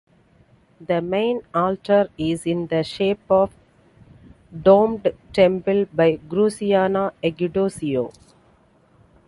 The main altar is in the shape of domed temple, by Cruciano Egiduzio.